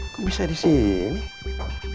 kok bisa disini